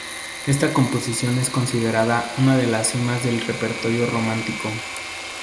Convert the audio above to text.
Esta composición es considerada una de las cimas del repertorio romántico.